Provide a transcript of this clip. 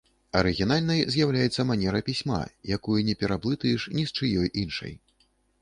Арыгінальнай з'яўляецца манера пісьма, якую не пераблытаеш ні з чыёй іншай.